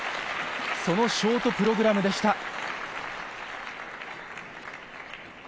そのショートプログラムでした。